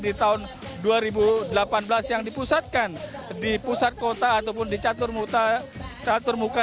di tahun dua ribu delapan belas yang dipusatkan di pusat kota ataupun di catur muka